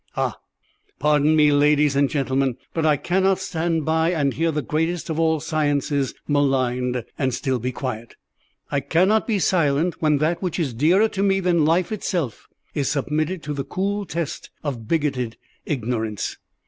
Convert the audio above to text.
Ah! pardon me, ladies and gentlemen, but I cannot stand by and hear the greatest of all sciences maligned, and still be quiet. I cannot be silent when that which is dearer to me than life itself is submitted to the cool test of bigoted ignorance.